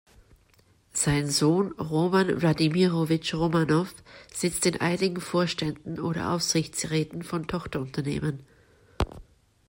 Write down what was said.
Sein Sohn Roman Wladimirowitsch Romanow sitzt in einigen Vorständen oder Aufsichtsräten von Tochterunternehmen.